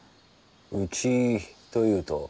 うちというと？